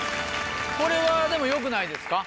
これはでもよくないですか？